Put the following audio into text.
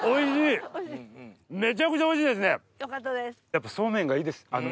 やっぱそうめんがいいです。